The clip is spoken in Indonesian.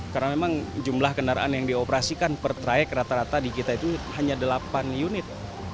karena memang jumlah kendaraan yang dioperasikan per traik rata rata di kita itu hanya delapan unit